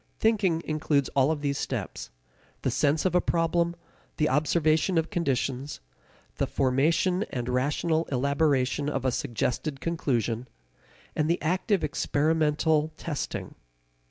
Thinking includes all of these steps, the sense of a problem, the observation of conditions, the formation and rational elaboration of a suggested conclusion, and the active experimental testing.